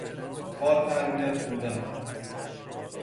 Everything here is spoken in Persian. باتربیت بودن